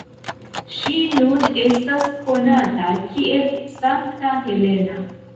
Ŝi nun estas konata kiel Sankta Helena.